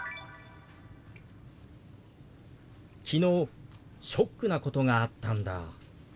「昨日ショックなことがあったんだ」。